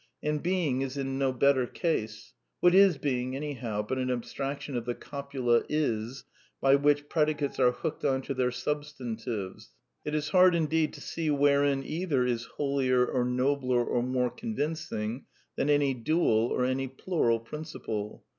And Being is in no better case. What is Being, any how, but an abstraction of the copula "is," by which predicates are hooked on to their substantives ? It is hard indeed to see wherein either is holier, or nobler, or more convincing than any dual or any plural principle.